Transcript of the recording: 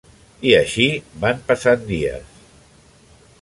I així, van passant dies.